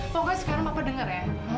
pokoknya sekarang papa denger ya